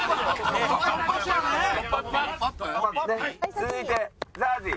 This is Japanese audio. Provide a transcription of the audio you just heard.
続いてＺＡＺＹ。